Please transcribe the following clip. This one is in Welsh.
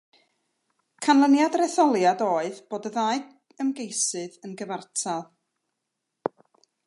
Canlyniad yr etholiad oedd bod y ddau ymgeisydd yn gyfartal.